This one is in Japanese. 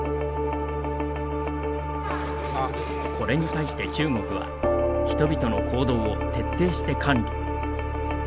これに対して中国は人々の行動を徹底して管理。